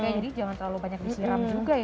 jadi jangan terlalu banyak disiram